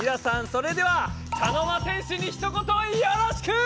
それでは茶の間戦士にひと言よろしく！